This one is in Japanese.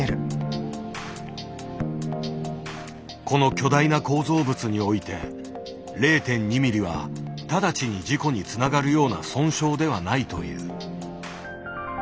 この巨大な構造物において０．２ｍｍは直ちに事故につながるような損傷ではないという。